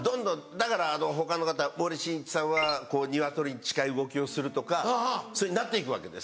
だから他の方森進一さんは鶏に近い動きをするとかそうなって行くわけですよ。